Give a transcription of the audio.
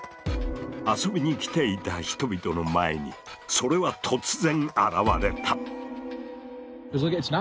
遊びに来ていた人々の前にそれは突然現れた！